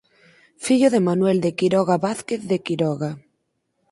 Fillo de Manuel de Quiroga Vázquez de Quiroga.